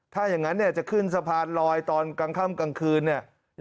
ถ้าอย่างนั้นเนี่ยจะขึ้นสะพานลอยตอนกลางค่ำกลางคืนเนี่ย